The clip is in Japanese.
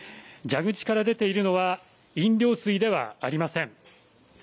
蛇口から出ているのは、飲料水ではありません。